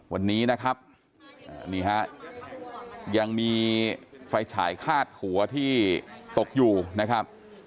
วันนี้นะครับนี่ฮะยังมีไฟฉายคาดหัวที่ตกอยู่นะครับ